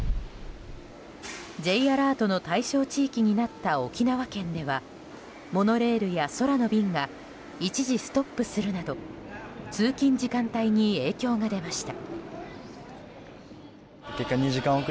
Ｊアラートの対象地域になった沖縄県ではモノレールや空の便が一時ストップするなど通勤時間帯に影響が出ました。